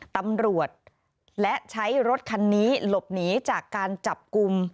ตำรวจและใช้รถคันนี้หลบหนีจากการจับกลุ่ม